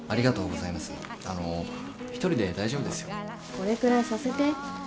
これくらいさせて。